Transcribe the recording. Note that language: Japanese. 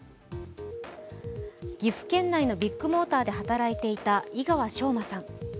岐阜県内のビッグモーターで働いていた井川翔馬さん。